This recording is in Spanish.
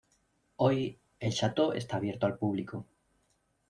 Hoy, el "château" está abierto al público.